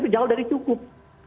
jauh dari cukup